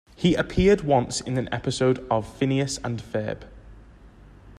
He appeared once in an episode of "Phineas and Ferb".